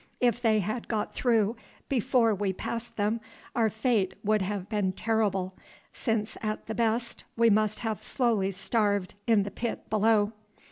If they had got through before we passed them, our fate would have been terrible, since at the best we must have slowly starved in the pit below.